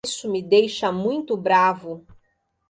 Isso me deixa muito bravo.